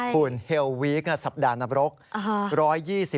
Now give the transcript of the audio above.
คุณเฮลวิกสัปดาห์นับรกษ์